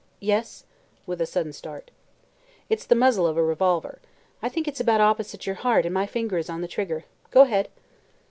"Yes," with a sudden start. "It's the muzzle of a revolver. I think it's about opposite your heart and my finger is on the trigger. Go ahead!"